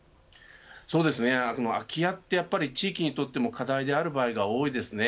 そうですね、空き家ってやっぱり地域にとっても課題である場合が多いですね。